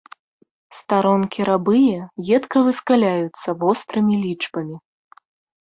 Старонкі рабыя едка выскаляюцца вострымі лічбамі.